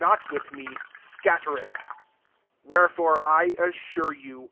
not with me, scattereth. 31 " Wherefore I assure you.